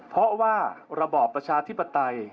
เพราะว่าระบอบประชาธิปไตย